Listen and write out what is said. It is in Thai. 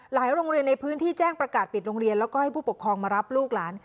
โรงเรียนในพื้นที่แจ้งประกาศปิดโรงเรียนแล้วก็ให้ผู้ปกครองมารับลูกหลาน